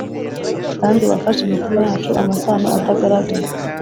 kandi wafashe imitima yacu amasano atagaragara